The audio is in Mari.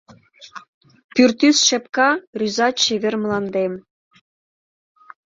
Пӱртӱс-шепка рӱза чевер мландем.